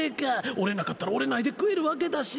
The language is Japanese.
折れなかったら折れないで食えるわけだし